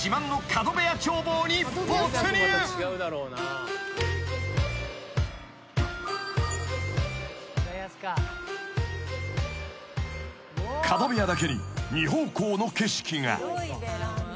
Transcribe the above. ［角部屋だけに２方向の景色が］